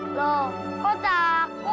ada kerbau itu